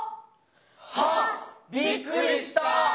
はっびっくりした。